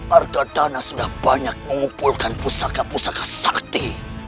warga dana sudah banyak mengumpulkan pusaka pusaka sakti